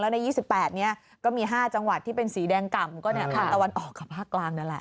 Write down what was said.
ใน๒๘นี้ก็มี๕จังหวัดที่เป็นสีแดงกล่ำก็ทางตะวันออกกับภาคกลางนั่นแหละ